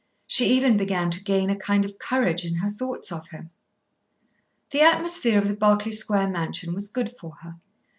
She even began to gain a kind of courage in her thoughts of him. The atmosphere of the Berkeley Square mansion was good for her.